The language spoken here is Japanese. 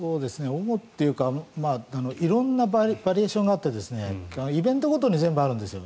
主というか色んなバリエーションがあってイベントごとに全部あるんですよ。